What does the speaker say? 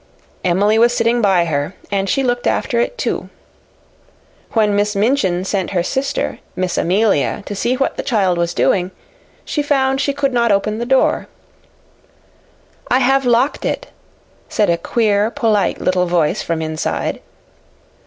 Emily was sitting by her, and she looked after it, too. When Miss Minchin sent her sister, Miss Amelia, to see what the child was doing, she found she could not open the door. "I have locked it," said a queer, polite little voice from inside.